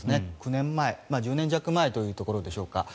９年前、１０年弱前というところでしょうか。